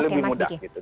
dia lebih mudah gitu